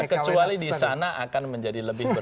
kecuali di sana akan menjadi lebih berat